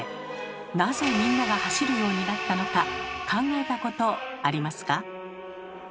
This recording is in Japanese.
なぜみんなが走るようになったのか考えたことありますか？